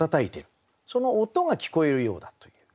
その音が聞こえるようだという。